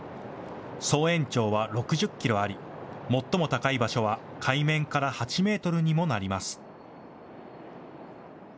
総延長は６０キロあり、最も高い場所は海面から８メートルにもなります。